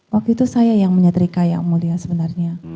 waktu itu saya yang menyetrika yang mulia sebenarnya